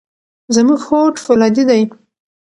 زموږ هوډ فولادي دی.